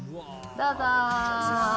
どうぞ。